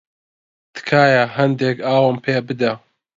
تکایە هەندێک ئاوم پێ بدە.